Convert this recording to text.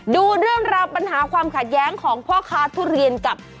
ดูเรื่องราวปัญหาความขัดแย้งของพ่อค้าทุเรียนกับ